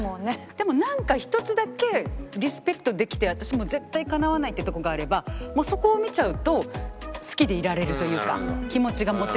でもなんか１つだけリスペクトできて私も絶対かなわないっていうとこがあればもうそこを見ちゃうと好きでいられるというか気持ちが持っていけるんで。